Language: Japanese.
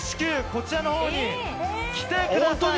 こちらのほうに来てください。